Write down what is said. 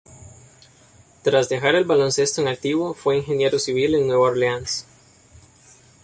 Tras dejar el baloncesto en activo, fue ingeniero civil en Nueva Orleans.